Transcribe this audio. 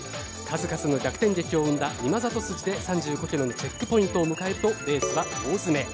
数々の逆転劇を生んだ今里筋で３５キロのチェックポイントを迎えるとレースは大詰め。